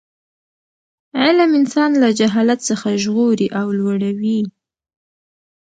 علم انسان له جهالت څخه ژغوري او لوړوي.